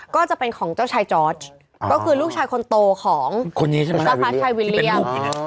ก็จะเป็นของเจ้าชายจอร์ดก็คือลูกชายคนโตของคนนี้ใช่ไหมเจ้าฟ้าชายวิลเลี่ยม